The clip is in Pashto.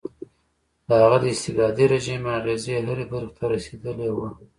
د هغه د استبدادي رژیم اغېزه هرې برخې ته رسېدلې وه.